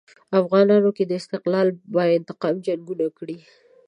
افغانانو که د استقلال یا انتقام جنګونه کړي.